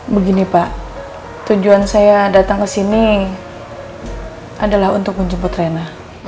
begini pak tujuan saya datang ke sini adalah untuk menjemput rena